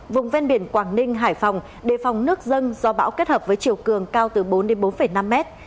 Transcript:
vùng ven biển quảng ninh hải phòng đề phòng nước dân do bão kết hợp với chiều cường cao từ bốn đến bốn năm mét